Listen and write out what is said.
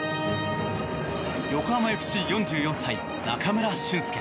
横浜ＦＣ、４４歳中村俊輔。